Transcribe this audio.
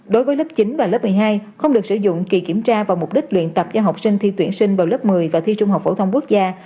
đối với lớp chín và lớp một mươi hai không được sử dụng kỳ kiểm tra và mục đích luyện tập cho học sinh thi tuyển sinh vào lớp một mươi và thi trung học phổ thông quốc gia